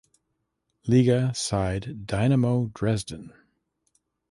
Liga side Dynamo Dresden.